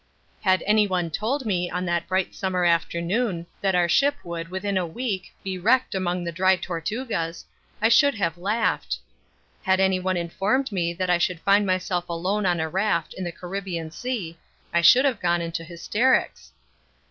Had anyone told me on that bright summer afternoon that our ship would within a week be wrecked among the Dry Tortugas, I should have laughed. Had anyone informed me that I should find myself alone on a raft in the Caribbean Sea, I should have gone into hysterics.